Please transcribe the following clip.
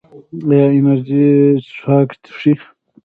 ایا انرژي څښاک څښئ؟